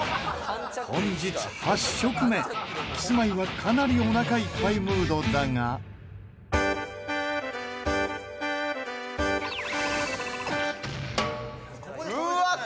本日８食目キスマイは、かなりおなかいっぱいムードだが千賀：うわっ！